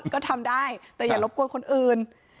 ก็ทำได้แต่อย่ารบกวนคนอื่น